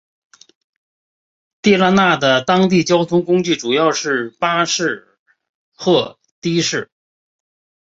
地拉那的当地交通工具主要是巴士或的士。